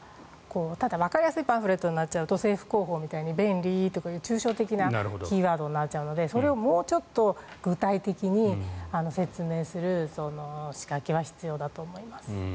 ただ、わかりやすいパンフレットになっちゃうと政府広報みたいに便利とかいう抽象的なキーワードになっちゃうのでそれをもうちょっと具体的に説明する仕掛けは必要だと思います。